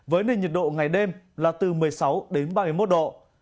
với nền nhiệt độ ngày đêm là từ một mươi sáu đến ba mươi một độ